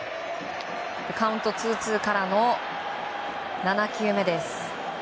カウント、ツーツーからの７球目です。